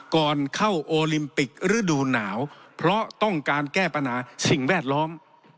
ก่อนเข้าโอลิมปิกฤดูหนาวเพราะต้องการแก้ปัญหาสิ่งแวดล้อม